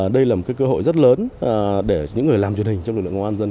đây là một cơ hội rất lớn để những người làm truyền hình trong lực lượng công an dân